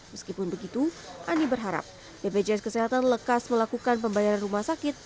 meskipun begitu ani berharap bpjs kesehatan lekas melakukan pembayaran rumah sakit